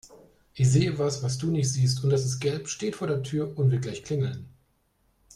Ich sehe was, was du nicht siehst und das ist gelb, steht vor der Tür und wird gleich klingeln.